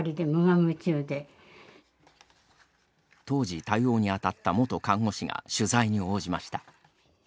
当時対応にあたった元看護師が取材に応じました。